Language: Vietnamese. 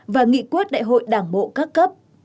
và nghị quốc đại hội đảng bộ các cấp